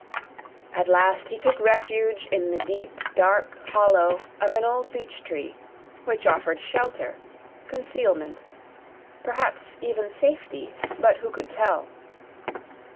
At last he took refuge in the deep dark hollow of an old beech tree, which offered shelter, concealment—perhaps even safety, but who could tell?